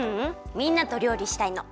みんなとりょうりしたいの！